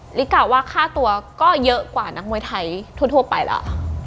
กล่าว่าค่าตัวก็เยอะกว่านักมวยไทยทั่วไปแล้ว